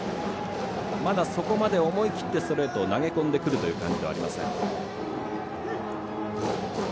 まだそこまで思い切ってストレートを投げ込んでくる感じではありません。